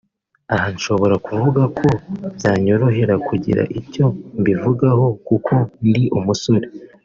Aha nshobora kuvuga ko byanyorohera kugira icyo mbivugaho (kuko ndi umusore)